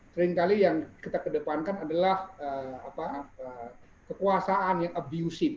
seringkali yang kita kedepankan adalah kekuasaan yang abusive